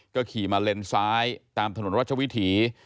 ก็ขี่มาเลนซ้ายตามถนนรัชวิถี